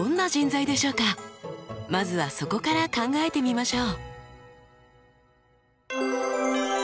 まずはそこから考えてみましょう。